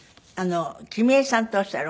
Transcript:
君江さんとおっしゃる？